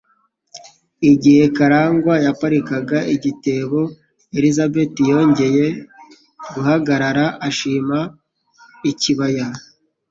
Igihe Karangwa yapakiraga igitebo, Elisabeth yongeye guhagarara ashima ikibaya.